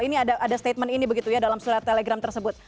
ini ada statement ini begitu ya dalam surat telegram tersebut